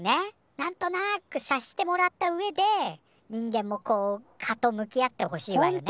なんとなく察してもらったうえで人間もこう「カ」と向き合ってほしいわよね。